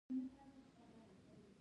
دا هغه ته لوی ویاړ او عزت و.